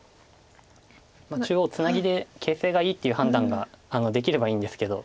中央ツナギで形勢がいいっていう判断ができればいいんですけど。